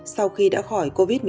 sau khi đã khỏi covid một mươi chín